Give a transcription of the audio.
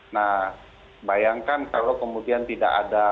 nah bayangkan kalau kemudian tidak ada